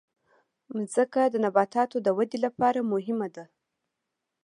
مځکه د نباتاتو د ودې لپاره مهمه ده.